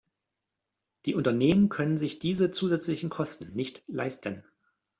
Die Unternehmen können sich diese zusätzlichen Kosten nicht leisten.